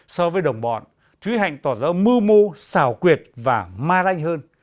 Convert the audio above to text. so với đồng bọn thúy hạnh tỏ ra mưu mô xảo quyệt và ma ranh hơn